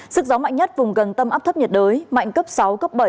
sức gió mạnh nhất vùng gần tâm áp thấp nhiệt đới mạnh cấp sáu cấp bảy